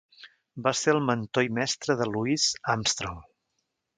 Va ser el mentor i mestre de Louis Armstrong.